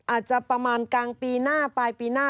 อาจจะประมาณกลางปีหน้า